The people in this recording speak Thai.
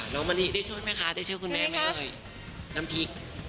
น้องมณีได้ช่วยไหมคะได้ช่วยคุณแม่ไหม